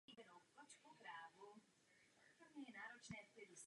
Pokrm je sezónní záležitostí a vaří se pouze od července do září.